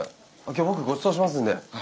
今日僕ごちそうしますんで。